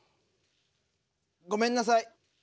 ごめんなさい。